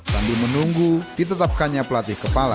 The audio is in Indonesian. sambil menunggu ditetapkannya pelatih kepala